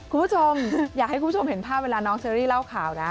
คุณผู้ชมอยากให้คุณผู้ชมเห็นภาพเวลาน้องเชอรี่เล่าข่าวนะ